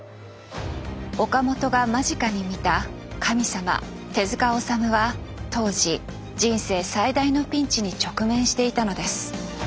岡本が間近に見た神様手治虫は当時人生最大のピンチに直面していたのです。